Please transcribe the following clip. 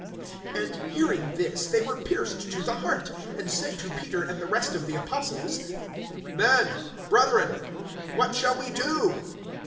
(37)And hearing this, they were pierced to the heart, and said to Peter and the rest of the apostles: Men, brethren, what shall we do?